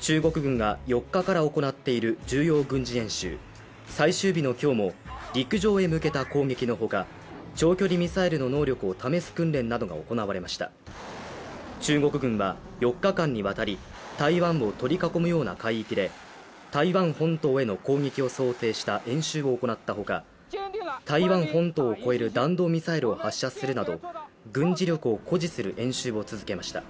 中国軍が４日からを行っている重要軍事演習最終日の今日も陸上へ向けた攻撃のほか長距離ミサイルの能力を試す訓練などが行われました中国軍は４日間にわたり台湾を取り囲むような海域で台湾本島への攻撃を想定した演習を行ったほか台湾本島を越える弾道ミサイルを発射するなど軍事力を誇示する演習を続けました